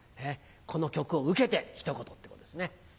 この曲を受けて一言ってことですね。